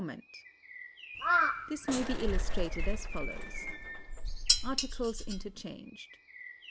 This may be illustrated as follows: Articles England.